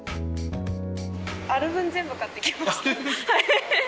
ある分、全部買ってきました。